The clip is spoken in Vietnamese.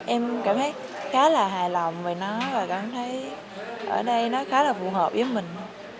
em cảm thấy khá là hài lòng vì nó và cảm thấy ở đây nó khá là phù hợp với mình